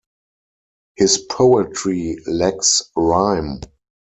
His poetry lacks rhyme.